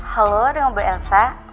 halo dengan bu elsa